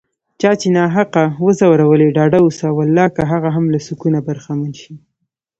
چا چې ناحقه وځورولي، ډاډه اوسه والله که هغه هم له سکونه برخمن شي